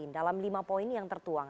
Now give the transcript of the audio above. dalam lima poin yang tertuang